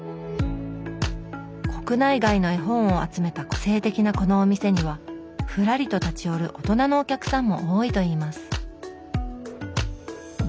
国内外の絵本を集めた個性的なこのお店にはふらりと立ち寄る大人のお客さんも多いといいます